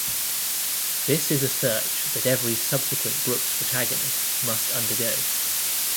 This is a search that every subsequent Brooks protagonist must undergo.